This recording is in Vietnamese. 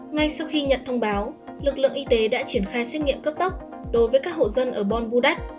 ngay sau khi nhận thông báo lực lượng y tế đã triển khai xét nghiệm cấp tốc đối với các hộ dân ở bon budd